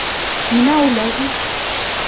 — Нимә уйлайһың?